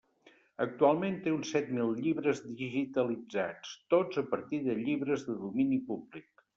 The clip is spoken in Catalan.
Actualment té uns set mil llibres digitalitzats, tots a partir de llibres de domini públic.